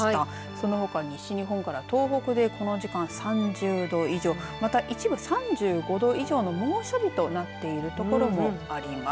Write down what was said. そのほか西日本から東北でこの時間３０度以上また、一部３５度以上の猛暑日となっているところもあります。